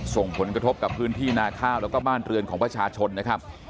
ส่งผลกระทบกับพื้นที่นาข้าวแล้วก็บ้านเรือนของประชาชนนะครับ